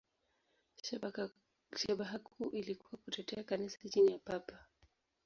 Shabaha kuu ilikuwa kutetea Kanisa chini ya Papa.